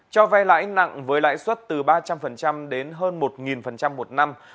cho vay lãi nặng với lãi suất từ ba trăm linh đến hơn một một năm